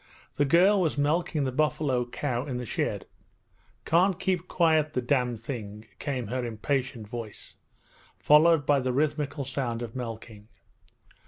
The girl was milking the buffalo cow in the shed. 'Can't keep quiet, the damned thing!' came her impatient voice, followed by the rhythmical sound of milking.